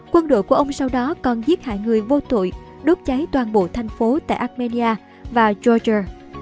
quân đội của ông sau đó còn giết hại người vô tội đốt cháy toàn bộ thành phố tại armenia và jorge